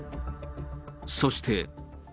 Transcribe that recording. そして。